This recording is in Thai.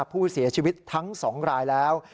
ผู้เสียชีวิตทั้ง๒รายแล้ว